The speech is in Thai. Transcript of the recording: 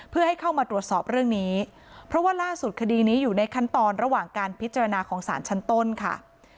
เพื่อให้เข้ามาตรวจสอบเรื่องนี้เพราะว่าล่าสุดคดีนี้อยู่ในขั้นตอนระหว่างการพิจารณาของสารชั้นต้นค่ะ